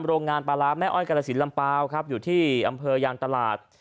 โรงงานปลาร้าแม่อ้อยกรสินลำเปล่าครับอยู่ที่อำเภอยางตลาด